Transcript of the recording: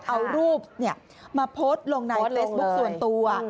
เอารูปมาโพสต์ลงในเฟซบุ๊คส่วนตัว